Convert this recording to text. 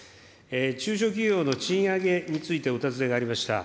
中小企業の賃上げについてお尋ねがありました。